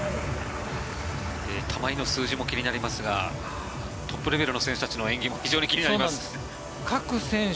玉井の数字も気になりますがトップレベルの選手たちの演技も各選手